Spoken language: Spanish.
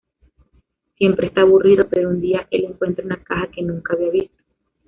Siempre está aburrido, pero un día el encuentra una caja que nunca había visto.